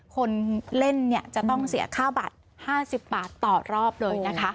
คนเล่นจะต้องเสียค่าบัตร๕๐บาทต่อรอบเลยนะคะ